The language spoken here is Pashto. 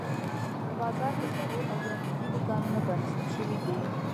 په بازار کې څلور اویا نوي دوکانونه پرانیستل شوي دي.